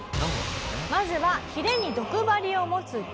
「まずはヒレに毒針を持つゴンズイ」